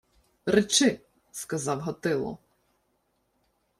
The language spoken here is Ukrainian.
— Речи, — сказав Гатило.